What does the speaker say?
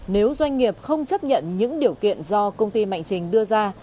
nếu doanh nghiệp không chấp nhận những điều kiện do công ty mạnh trình đưa ra